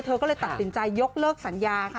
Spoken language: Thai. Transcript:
เธอก็เลยตัดสินใจยกเลิกสัญญาค่ะ